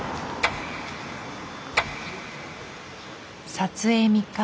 撮影３日目。